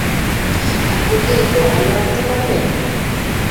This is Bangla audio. আপনি কি একটু আলো আনতে পারবেন?